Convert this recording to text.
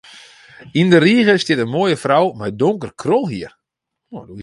Yn de rige stiet in moaie frou mei donker krolhier.